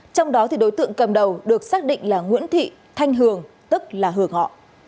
trong đó đối tượng cầm đầu được xác định là nguyễn thị thanh hường tức là hường họ